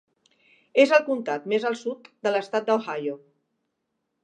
És el comtat més al sud de l'estat d'Ohio.